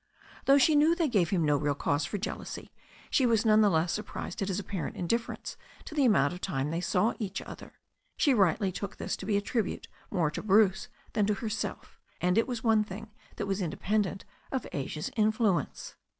Though she knew they gave him no real cause for jealousy, she was none the less surprised at his apparent indifference to the amount of time they saw each other. She rightly took this to be a tribute more to Bruce than to herself, and it was one thing that was independent of Asia's influence.